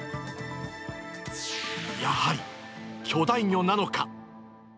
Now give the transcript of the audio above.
やはり巨大魚なのか。